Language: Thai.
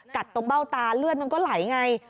ตรงเบ้าตาเลือดมันก็ไหลไง